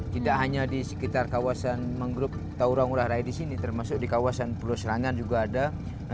tidak hanya di sekitar kawasan menggrup taurang urah raya di sini termasuk di kawasan purwoserangan juga ada